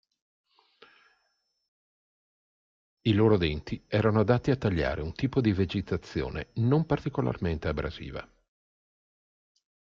I loro denti erano adatti a tagliare un tipo di vegetazione non particolarmente abrasiva.